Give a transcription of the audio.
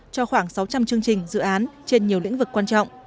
cho khoảng sáu trăm linh chương trình dự án trên nhiều lĩnh vực quan trọng